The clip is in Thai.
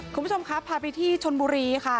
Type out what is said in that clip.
คุณผู้ชมครับพาไปที่ชนบุรีค่ะ